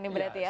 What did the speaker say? ini berarti ya